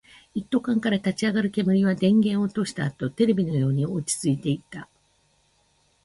一斗缶から立ち上る煙は、電源を落としたあとのテレビのように落ち着いていた